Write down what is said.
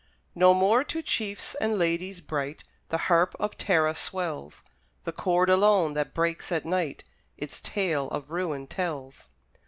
No more to chiefs and ladies bright The harp of Tara swells; The chord alone, that breaks at night, Its tale of ruin tells.